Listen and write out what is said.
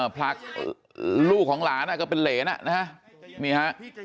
ผลักลูกของหลานก็เป็นเหรนนะครับ